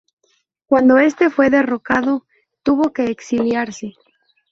Cuando este fue derrocado, tuvo que exiliarse.